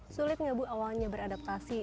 sulit nggak bu awalnya beradaptasi